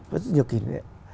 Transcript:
có rất nhiều kỷ niệm